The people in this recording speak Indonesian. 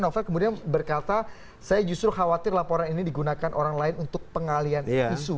novel kemudian berkata saya justru khawatir laporan ini digunakan orang lain untuk pengalian isu